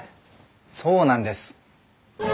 そうなんです。